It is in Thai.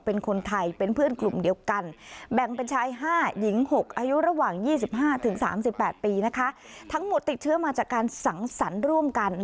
ปีนะคะทั้งหมดติดเชื้อมาจากการสังสรรรร่วมกัน